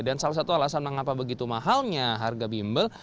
dan salah satu alasan mengapa begitu mahalnya harga bimbel